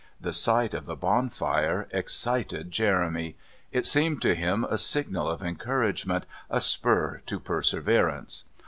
The sight of the bonfire excited Jeremy. It seemed to him a signal of encouragement, a spur to perseverance.